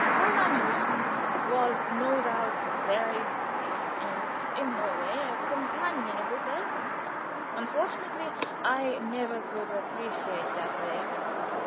Fräulein Luischen was no doubt very pretty, and in her way a companionable person. Unfortunately I never could appreciate that way.